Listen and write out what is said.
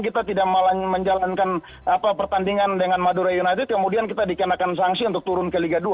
kita tidak menjalankan pertandingan dengan madura united kemudian kita dikenakan sanksi untuk turun ke liga dua